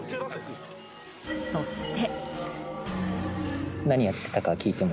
そして。